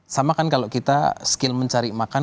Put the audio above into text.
sama kan kalau kita skill mencari makan